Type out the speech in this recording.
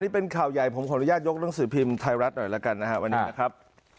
นี่เป็นข่าวใหญ่ผมขออนุญาตยกหนังสือพิมพ์ไทยรัฐหน่อยแล้วกันนะครับวันนี้นะครับ